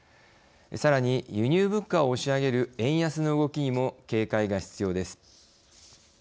さらに輸入物価を押し上げる円安の動きにも警戒が必要です。